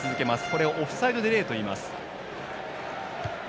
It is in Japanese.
これをオフサイドディレイといいます。